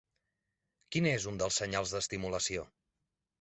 Quin és un dels senyals d'estimulació?